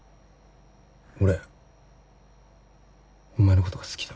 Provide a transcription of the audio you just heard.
俺お前のことが好きだ。